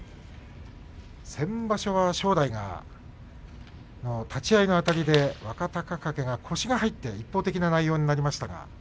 先場所は正代が立ち合いのあたりで若隆景が腰が入って一方的な内容になりました。